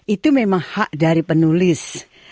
itu memang hak dari penulis